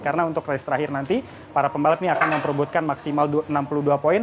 karena untuk race terakhir nanti para pembalap ini akan memperbutkan maksimal enam puluh dua poin